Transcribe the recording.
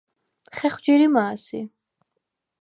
ხეხვ ჯირიმა̄ სი?